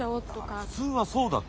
普通はそうだって。